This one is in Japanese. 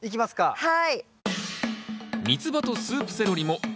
はい。